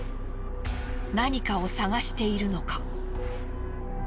何かを探しているのか。